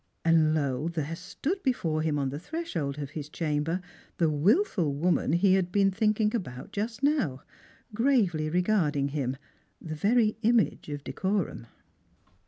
And, lo, there stood before him on the threshold of his chamber the wilful woman he had been thinking about just now, gravely regarding him, the very image of decorum.